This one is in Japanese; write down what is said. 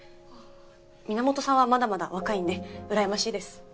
皆本さんはまだまだ若いんでうらやましいです。